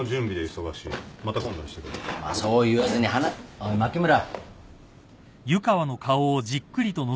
まあそう言わずにおい牧村。